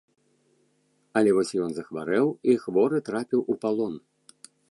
Але вось ён захварэў і хворы трапіў у палон.